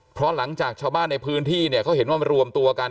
เพราะหลังจากชาวบ้านในพื้นที่เนี่ยเขาเห็นว่ามารวมตัวกัน